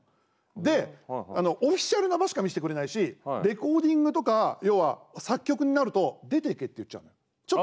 で、オフィシャルな場しか見せてくれないしレコーディングとか作曲になると出ていけって言っちゃうの。